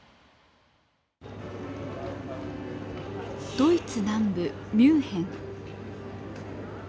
ドイツ南部ミュンヘン。